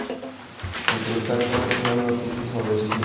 Entre tanto, no hay noticias sobre Sphinx.